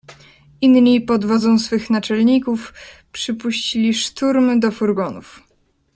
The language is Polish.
"„Inni pod wodzą swych naczelników przypuścili szturm do furgonów."